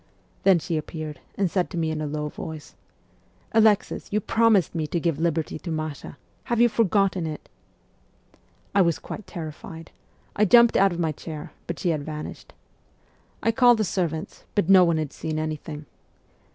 Then she appeared, and said to me in a low voice, " Alexis, you promised me to give liberty to Masha : have you forgotten it ?" I was quite terrified : I jumped out of my chair, but she had vanished. I called the servants, but no one had seen anything.